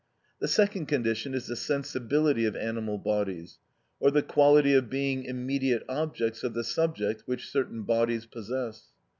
The second condition is the sensibility of animal bodies, or the quality of being immediate objects of the subject which certain bodies possess.